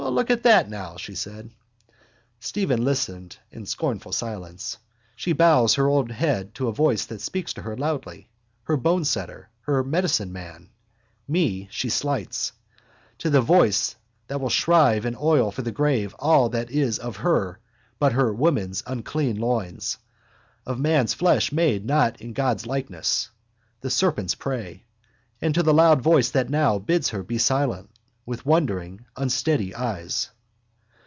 —Look at that now, she said. Stephen listened in scornful silence. She bows her old head to a voice that speaks to her loudly, her bonesetter, her medicineman: me she slights. To the voice that will shrive and oil for the grave all there is of her but her woman's unclean loins, of man's flesh made not in God's likeness, the serpent's prey. And to the loud voice that now bids her be silent with wondering unsteady eyes.